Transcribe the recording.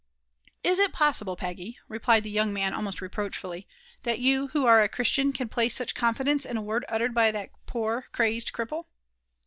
" Is it possible, Peggy," replied the young man almost reproach fully, "that you, who are a Christian, can place such confidence in a word uttered by that poor crazed cripple?"